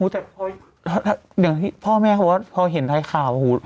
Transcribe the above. แต่อย่างที่พ่อแม่เพราะว่าพอเห็นรายข่าว